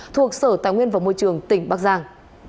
thuộc sở tài nguyên và môi trường tỉnh bắc giang